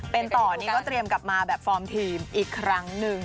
เป็นต่อนี่ก็เตรียมกลับมาแบบฟอร์มทีมอีกครั้งหนึ่ง